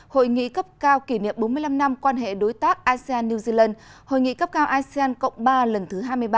hội nghị cấp cao kỷ niệm bốn mươi năm năm quan hệ đối tác asean new zealand hội nghị cấp cao asean cộng ba lần thứ hai mươi ba